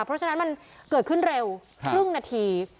เพราะฉะนั้นมันเกิดขึ้นเร็วครึ่งนาที